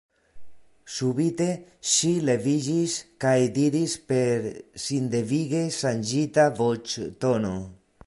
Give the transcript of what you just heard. Subite ŝi leviĝis kaj diris per sindevige ŝanĝita voĉtono: